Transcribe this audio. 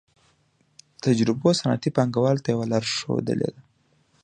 تجربو صنعتي پانګوالو ته یوه لار ښودلې ده